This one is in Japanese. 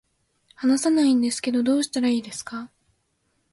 話せないんですけど、どうしたらいいですか